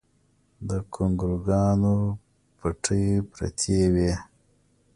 د ګونګروګانو پټۍ پرتې وې